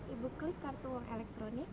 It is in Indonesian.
ibu klik kartu uang elektronik